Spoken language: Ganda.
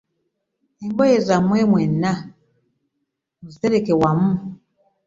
Engoye zammwe mwenna muzitereke wamu.